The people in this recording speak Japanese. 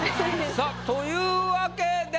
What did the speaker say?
さあというわけで。